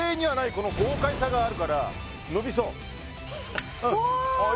この豪快さがあるから伸びそうおおっ！